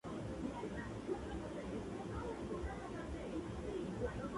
Travis al comienzo utilizaba una gabardina roja, un sombrero clásico y una máscara roja.